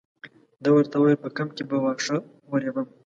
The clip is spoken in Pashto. ده ورته وویل په کمپ کې به واښه ورېبم.